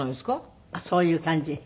あっそういう感じ？